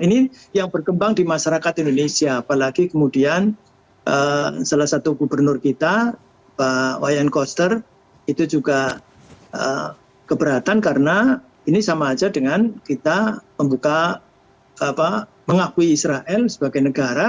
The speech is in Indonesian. ini yang berkembang di masyarakat indonesia apalagi kemudian salah satu gubernur kita pak wayan koster itu juga keberatan karena ini sama aja dengan kita membuka mengakui israel sebagai negara